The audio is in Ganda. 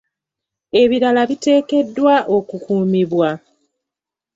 Ebibira biteekeddwa okukuumibwa.